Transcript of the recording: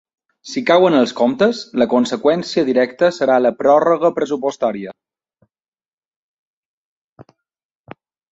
Si cauen els comptes, la conseqüència directa serà la pròrroga pressupostaria.